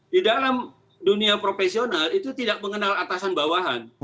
di dalam dunia profesional itu tidak mengenal atasan bawahan